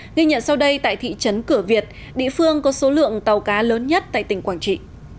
ghi nhận sau đây tại thị trấn cửa việt địa phương có số lượng tàu cá lớn nhất tại tỉnh quảng trị